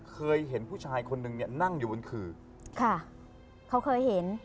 เคยเห็นผู้ชายคนนึงเนี่ยนั่งอยู่บนขื่อค่ะเขาเคยเห็น